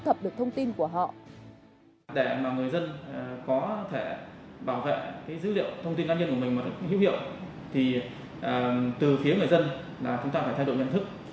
thì từ phía người dân là chúng ta phải thay đầu nhận thức